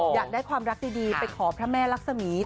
อยากได้ความรักดีไปขอพระแม่รักษมี